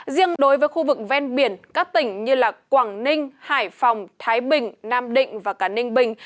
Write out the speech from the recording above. riêng đối với khu vực ven biển các tỉnh như quảng ninh hải phòng thái bình nam định và cả ninh bình